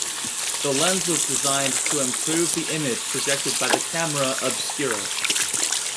The lens was designed to improve the image projected by the camera obscura.